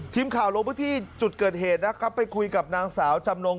ทีมข่าวลงพื้นที่จุดเกิดเหตุนะครับไปคุยกับนางสาวจำนง